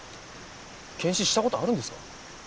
検視したことあるんですか？